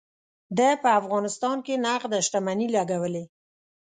ده په افغانستان کې نغده شتمني لګولې.